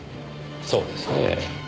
そうですねぇ。